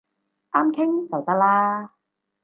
啱傾就得啦